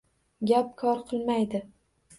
Gap kor qilmaydi.